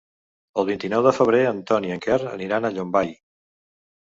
El vint-i-nou de febrer en Ton i en Quer aniran a Llombai.